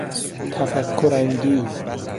تفکر انگیز